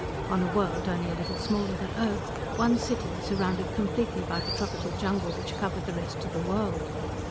On a world only a little smaller than Earth, one city, surrounded completely by the tropical jungle which covered the rest of the world.